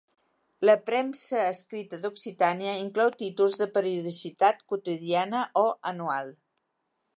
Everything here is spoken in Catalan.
La premsa escrita d'Occitània inclou títols de periodicitat quotidiana o anual.